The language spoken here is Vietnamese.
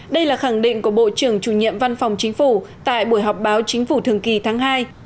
đây là khẳng định của bộ trưởng chủ nhiệm văn phòng chính phủ tại buổi họp báo chính phủ thường kỳ tháng hai